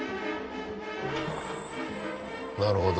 なるほど。